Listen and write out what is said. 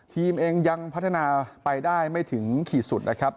ทีมเองยังพัฒนาไปได้ไม่ถึงขีดสุดนะครับ